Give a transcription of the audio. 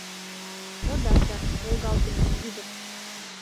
— О да, сэр! — волгалте изи ӱдыр.